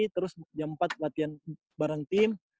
terus jam empat latihan bareng tim